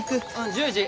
１０時！